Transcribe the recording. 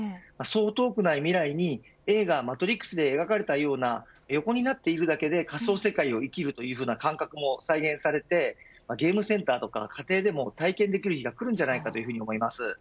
そう遠くない未来に映画、マトリックスで描かれたような横になっているだけで仮想世界を生きる感覚も再現されてゲームセンターや家庭でも体験できる日が来るのではないかと思います。